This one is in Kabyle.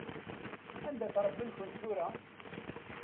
Anda-t Ṛebbi-nkent tura?